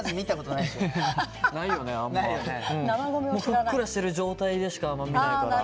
ふっくらしてる状態でしかあんま見ないから。